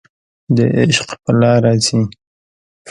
د عشق په لاره ځي